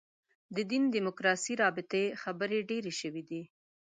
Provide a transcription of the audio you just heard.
د دین دیموکراسي رابطې خبرې ډېرې شوې دي.